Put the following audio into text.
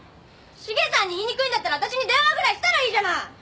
シゲさんに言いにくいんだったらわたしに電話ぐらいしたらいいじゃない！